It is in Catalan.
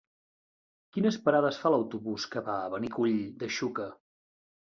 Quines parades fa l'autobús que va a Benicull de Xúquer?